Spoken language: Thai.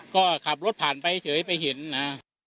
ก็ขับรถผ่านไปเฉยไปเห็นนะ